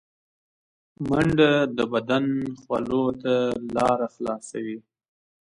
منډه د بدن خولو ته لاره خلاصوي